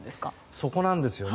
そこなんですよね。